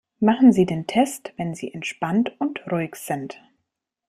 Machen Sie den Test, wenn sie entspannt und ruhig sind.